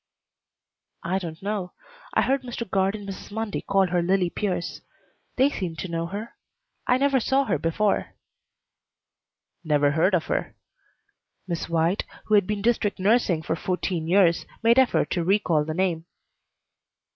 "I don't know. I heard Mr. Guard and Mrs. Mundy call her Lillie Pierce. They seemed to know her. I never saw her before." "Never heard of her." Miss White, who had been district nursing for fourteen years, made effort to recall the name.